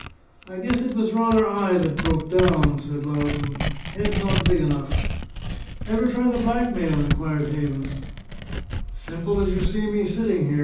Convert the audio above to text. "I guess it was rather I that broke down," says Loudon. "Head not big enough." "Ever try the blackmail?" inquired Havens. "Simple as you see me sitting here!"